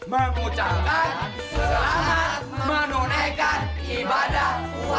mengucapkan selamat menunaikan ibadah